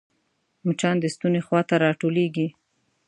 مچان د ستوني خوا ته راټولېږي